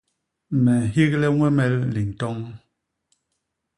Me nhigle ñwemel ni ntoñ.